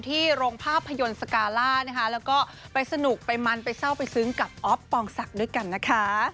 โรงภาพยนตร์สการ่านะคะแล้วก็ไปสนุกไปมันไปเศร้าไปซึ้งกับอ๊อฟปองศักดิ์ด้วยกันนะคะ